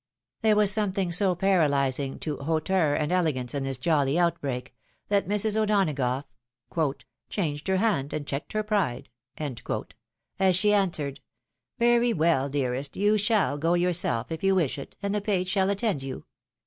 There was something so paralysing to hauteur and elegance in this jolly outbreak, that Mrs. O'Donagough Changed her hand, and checked her pride, as she answered, " Very well, dearest! You shall go yourself, if you wish it, and the page shall attend you.